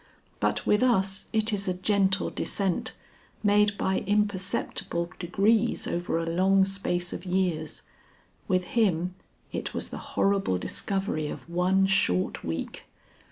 But with us it is a gentle descent, made by imperceptible degrees over a long space of years; with him it was the horrible discovery of one short week.